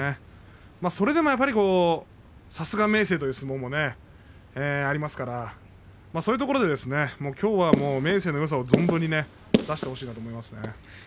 それでもやっぱりさすが明生という相撲もありますからそういうところできょうは、明生のよさを存分に出してほしいですね。